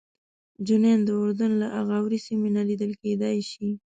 جنین د اردن له اغاورې سیمې نه لیدل کېدای شي.